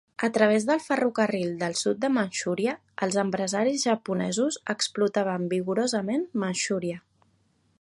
A través del ferrocarril del sud de Manxúria, els empresaris japonesos explotaven vigorosament Manxúria.